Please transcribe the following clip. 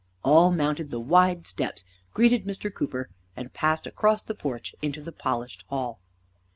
All mounted the wide steps, greeted Mr. Cooper, and passed across the porch into the polished hall.